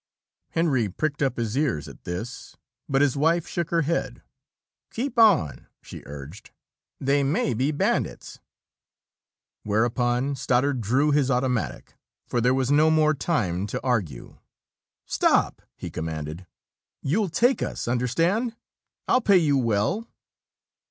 Henry pricked up his ears at this, but his wife shook her head. "Keep on!" she urged. "They may be bandits!" Whereupon Stoddard drew his automatic, for there was no more time to argue. "Stop!" he commanded. "You'll take us, understand? I'll pay you well!"